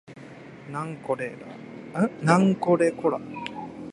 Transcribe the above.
なんこれこら